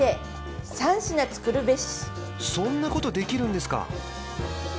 そんなことできるんですか！